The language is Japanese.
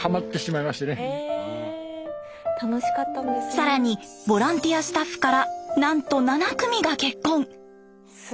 更にボランティアスタッフからなんと７組が結婚。